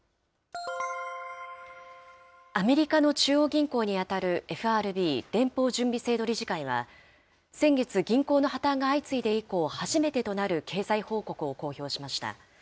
アメリカの中央銀行に当たるＦＲＢ・連邦準備制度理事会は、先月、銀行の破綻が相次いで以降、初めてとなる経済報告を公表しました。